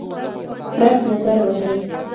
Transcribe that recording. پراخ نظر ولرئ.